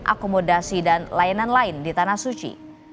akomodasi dan layanan lain di tanah suci